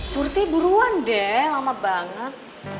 surti buruan deh lama banget